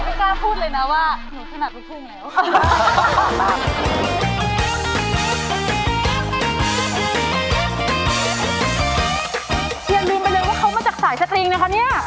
อย่าลืมไปเลยว่าเขามาจากสายสตริงนะคะเนี่ย